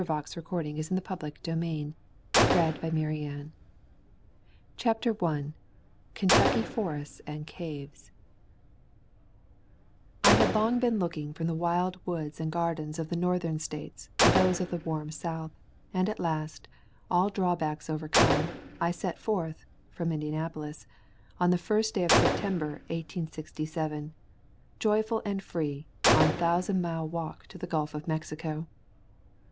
Witiram Freperic BapE A Thousand Mile Walk to the Gulf CHAPTER I KENTUCKY FORESTS AND CAVES HAD long been looking from the wild woods I and gardens of the Northern States to those of the warm South, and at last, all draw backs overcome, I set forth [from Indianapo lis] on the first day of September, 1867, joyful and free, on a thousand mile walk to the Gulf of Mexico.